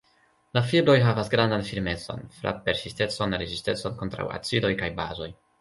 La fibroj havas grandan firmecon, frap-persistecon, rezistecon kontraŭ acidoj kaj bazoj.